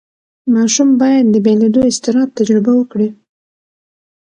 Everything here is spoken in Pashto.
ماشوم باید د بېلېدو اضطراب تجربه وکړي.